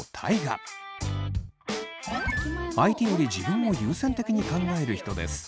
相手より自分を優先的に考える人です。